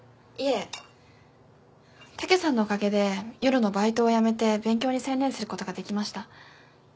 いえ武さんのおかげで夜のバイトを辞めて勉強に専念することができました。